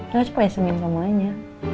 jangan spesimen kamu aja